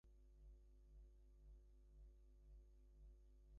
After the Second World War the city remained part of Poland.